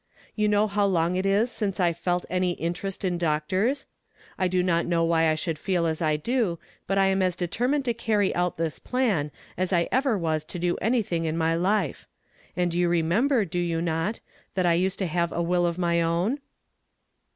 You know how long it is since I have felt any interest in doctors ? I do not know why I should feel as I do, but I am as detennined to carrv out 24 YESTERDAY FRAMED IN TO DAY. this plan as I ever was to do anytliiii^^ in my life; and you remember, do you not, that I used to have a will of my own